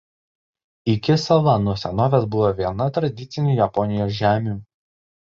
Iki sala nuo senovės buvo viena tradicinių Japonijos žemių.